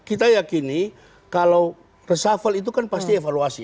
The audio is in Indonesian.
kita yakini kalau reshuffle itu kan pasti evaluasi